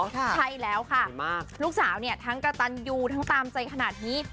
ใช่แล้วค่ะดีมากลูกสาวเนี่ยทั้งกระตันยูทั้งตามใจขนาดนี้